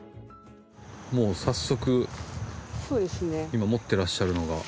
もう早速今持ってらっしゃるのが。